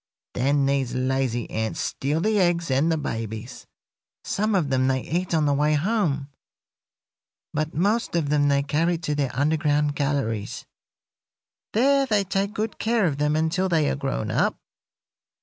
Then these lazy ants steal the eggs and the babies. Some of them they eat on the way home, but most of them they carry to their underground galleries. There they take good care of them until they are grown up.